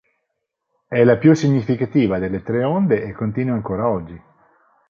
È la più significativa delle tre onde e continua ancora oggi.